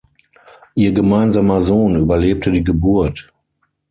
Ihr gemeinsamer Sohn überlebte die Geburt.